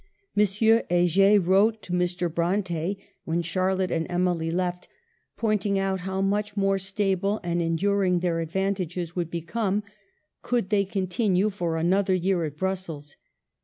Mon sieur Heger wrote to Mr. Bronte when Charlotte and Emily left, pointing out how much more stable and enduring their advantages would be come, could they continue for another year at Brussels.